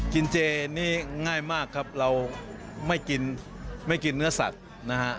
กินเจนี่ง่ายมากครับเราไม่กินไม่กินเนื้อสัตว์นะฮะ